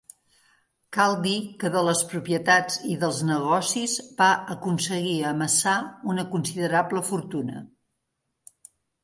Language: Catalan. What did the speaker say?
Cal dir que de les propietats i dels negocis va aconseguir amassar una considerable fortuna.